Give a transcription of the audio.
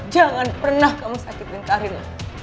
jangan pernah kamu sakitkan karim